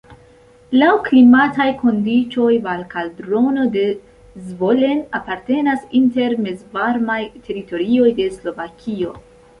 Laŭ klimataj kondiĉoj Valkaldrono de Zvolen apartenas inter mezvarmaj teritorioj de Slovakio.